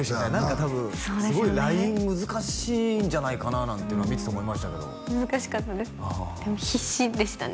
多分すごいライン難しいんじゃないかななんてのは見てて思いましたけど難しかったですでも必死でしたね